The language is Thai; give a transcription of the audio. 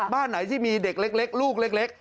บ้านไหนที่มีเด็กเล็กลูกเล็ก